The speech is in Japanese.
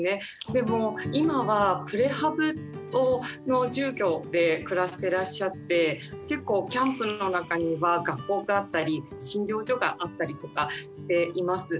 でも今はプレハブの住居で暮らしてらっしゃって結構キャンプの中には学校があったり診療所があったりとかしています。